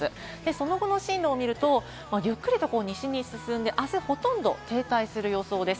その後の進路を見ると、ゆっくりと西に進んで、あす、ほとんど停滞する予想です。